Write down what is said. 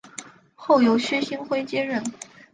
后由薛星辉接任。